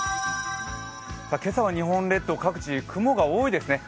今朝は日本列島各地、雲が多いですね。